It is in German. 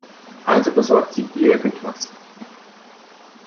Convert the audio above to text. Also besorgt sie irgendwas.